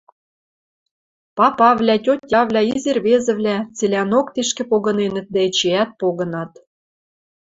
Папавлӓ, тьотявлӓ, изи ӹрвезӹвлӓ – цилӓнок тишкӹ погыненӹт дӓ эчеӓт погынат.